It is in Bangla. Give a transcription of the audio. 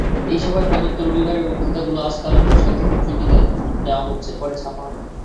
এই সভায় প্রদত্ত রবিবারের বক্তৃতাগুলি আজকাল সাঙ্কেতিক লিপিতে নেওয়া হচ্ছে, পরে ছাপা হবে।